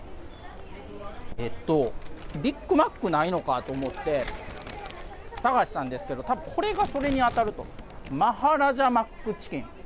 えっと、ビッグマックないのかと思って、探したんですけど、たぶんこれがそれに当たると、マハラジャマックチキン。